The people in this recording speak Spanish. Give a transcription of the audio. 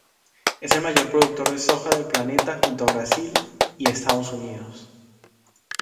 Es el mayor productor de soja del planeta junto a Brasil y Estados Unidos.